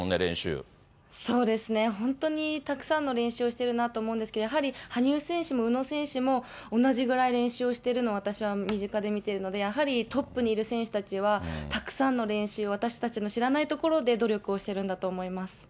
そうですね、本当にたくさんの練習をしてるなと思うんですが、やはり羽生選手も宇野選手も、同じぐらい練習をしてるのを私は身近で見てるので、やはりトップにいる選手たちは、たくさんの練習を、私たちの知らないところで努力をしてるんだと思います。